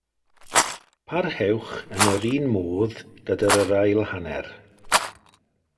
Parhewch yn yr un modd gyda'r ail hanner.